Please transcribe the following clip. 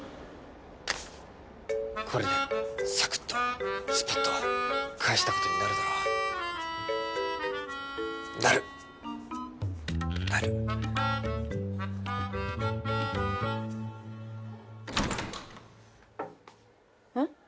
これでサクッとスパッと返したことになるだろうなるなるん？